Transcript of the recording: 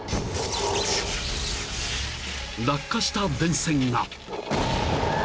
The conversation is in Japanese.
［落下した電線が］